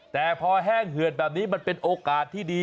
แต่พอแห้งเหือดแบบนี้มันเป็นโอกาสที่ดี